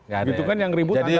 gitu kan yang ribut